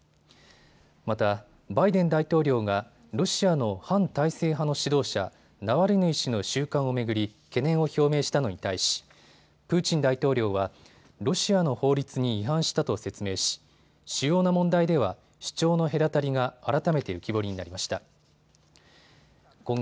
また、バイデン大統領がロシアの反体制派の指導者、ナワリヌイ氏の収監を巡り懸念を表明したのに対しプーチン大統領はロシアの法律に違反したと説明し主要な問題では主張の隔たりが改めて浮き彫りになりました。